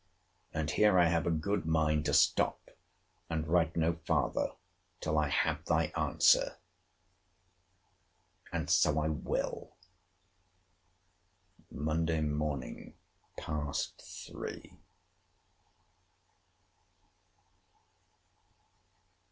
And here I have a good mind to stop, and write no farther, till I have thy answer. And so I will. MONDAY MORN. PAST THREE.